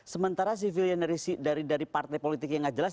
sementara si vili dari partai politik yang nggak jelas